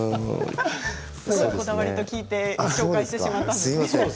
こだわりと聞いてご紹介してしまいました。